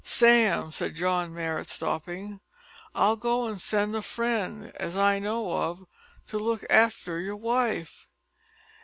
"Sam," said John Marrot stopping, "I'll go an' send a friend, as I knows of, to look after yer wife."